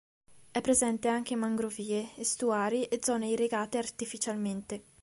È presente anche in mangrovie, estuari e zone irrigate artificialmente.